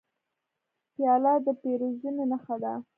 پیاله د پیرزوینې نښه ده.